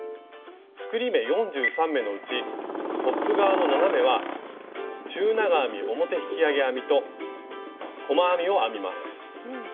作り目４３目のうちトップ側の７目は中長編み表引き上げ編みと細編みを編みます。